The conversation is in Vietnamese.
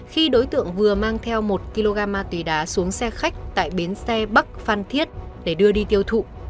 khi đối tượng vừa mang theo một kg ma túy đá xuống xe khách tại bến xe bắc phan thiết để đưa đi tiêu thụ